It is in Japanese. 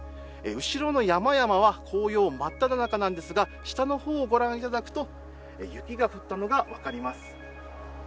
後ろの山々は紅葉真っただ中なんですが下の方をご覧いただくと雪が降ったのが分かります。